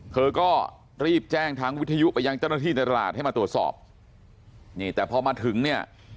เธอก็รีบแจ้งทางวิทยุไปยังเจ้าหน้าที่ตลาดให้มาตรวจสอบนี่แต่พอมาถึงเนี่ย